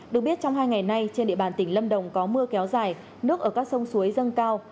được biết trong hai ngày nay trên địa bàn tỉnh lâm đồng có mưa kéo dài nước ở các sông suối dâng cao